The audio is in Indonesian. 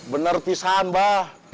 bener pisahan bah